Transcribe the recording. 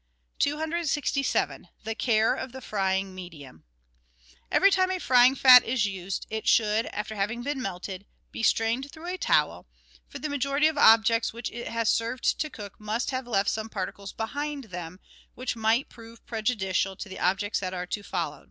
267— THE CARE OF THE FRYING MEDIUM Every time a frying fat is used it should, after having been melted, be strained through a towel, for the majority of objects which it has served to cook must have left some particles behind them which might prove prejudicial to the objects that are to follow.